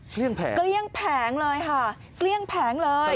แผงเกลี้ยงแผงเลยค่ะเกลี้ยงแผงเลย